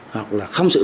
hoặc là không xử lý